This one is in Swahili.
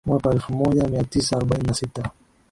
Mwaka wa elfu moja mia tisa arobaini na sita